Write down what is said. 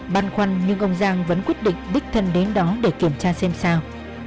băn khoăn nhưng ông giang vẫn quyết định đích thân đến đó để kiểm tra xem sao